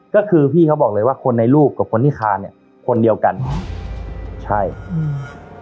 ก็คือพี่เขาบอกเลยว่าคนในรูปกับคนที่คาเนี้ยคนเดียวกันใช่อืม